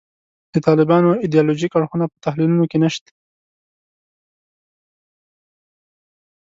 د طالبانو ایدیالوژیک اړخونه په تحلیلونو کې نشته.